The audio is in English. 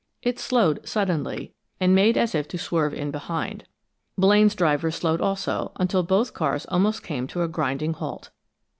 It slowed suddenly, and made as if to swerve in behind; Blaine's driver slowed also, until both cars almost came to a grinding halt.